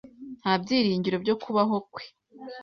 Nta byiringiro byo kubaho kwe.